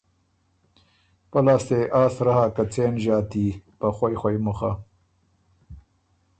”په لاسته يې افا سرۀ هۀ که څېن ݫاتي په خوئ خوئ مُخه“۔